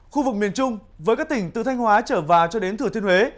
khu vực miền trung với các tỉnh từ thanh hóa trở vào cho đến thừa thiên huế